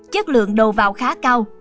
chất lượng đồ vào khá cao